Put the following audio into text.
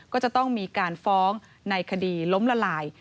ก็จะต้องมีการฟ้องในคดีล้มละลาย